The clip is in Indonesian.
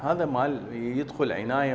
kita menjaga keadaan kita